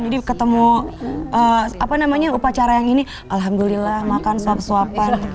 jadi ketemu upacara yang ini alhamdulillah makan suap suapan